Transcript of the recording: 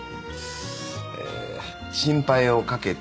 え「心配をかけて」